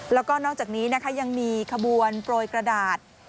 แล้วก็นอกจากนี้นะคะยังมีขบวนโปรยกระดาษ